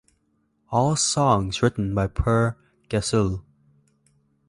All songs written by Per Gessle.